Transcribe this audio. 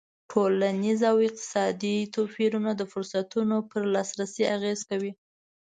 ټولنیز او اقتصادي توپیرونه د فرصتونو پر لاسرسی اغېز کوي.